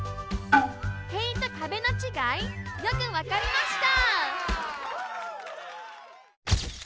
塀と壁のちがいよくわかりました！